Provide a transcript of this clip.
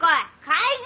怪獣！